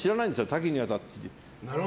多岐にわたって。